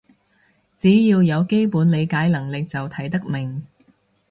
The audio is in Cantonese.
只要有基本理解能力就睇得明